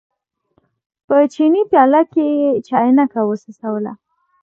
په چیني پیاله کې یې چاینکه وڅڅوله.